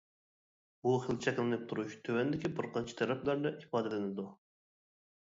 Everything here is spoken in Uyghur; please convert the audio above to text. بۇ خىل چەكلىنىپ تۇرۇش تۆۋەندىكى بىر قانچە تەرەپلەردە ئىپادىلىنىدۇ.